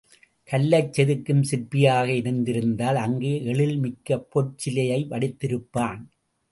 கல்லைச் செதுக்கும் சிற்பியாக இருந்திருந்தால் அங்கே எழில் மிக்க பொற் சிலையை வடித்திருப்பான்.